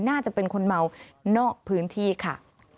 น่าจะเป็นคนเมานอกพื้นที่ค่ะ